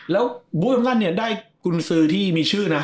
แล้วบูมกันเนี่ยได้กุญสือที่มีชื่อนะ